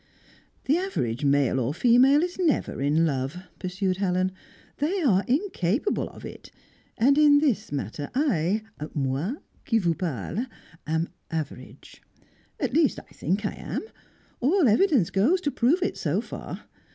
"The average male or female is never in love," pursued Helen. "They are incapable of it. And in this matter I moi qui vous parle am average. At least, I think I am; all evidence goes to prove it, so far.